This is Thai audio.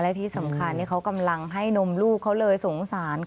และที่สำคัญเขากำลังให้นมลูกเขาเลยสงสาร